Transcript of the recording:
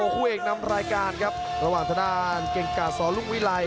คู่เอกนำรายการครับระหว่างธนาค์เกรงกราศสรุงวิรัย